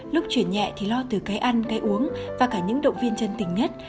lúc chuyển nhẹ thì lo từ cái ăn cái uống và cả những động viên chân tình nhất